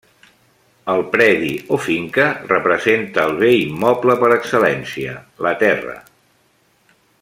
El predi o finca representa el bé immoble per excel·lència: la terra.